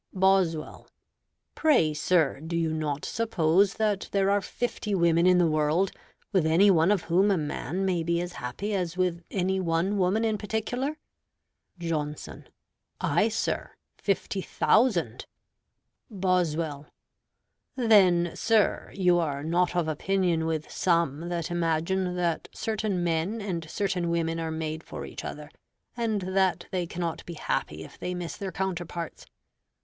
Boswell Pray, sir, do you not suppose that there are fifty women in the world, with any one of whom a man may be as happy as with any one woman in particular? Johnson Ay, sir, fifty thousand. Boswell Then, sir, you are not of opinion with some that imagine that certain men and certain women are made for each other; and that they cannot be happy if they miss their counterparts.